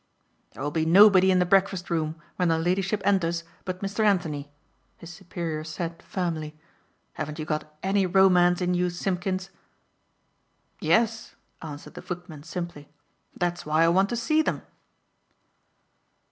"There will be nobody in the breakfast room when her ladyship enters but Mr. Anthony," his superior said firmly. "Haven't you got any romance in you, Simpkins?" "Yes," answered the footman simply, "that's why I want to see them."